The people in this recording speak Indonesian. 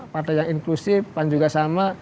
partai yang inklusif pan juga sama